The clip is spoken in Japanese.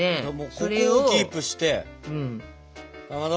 ここをキープしてかまど？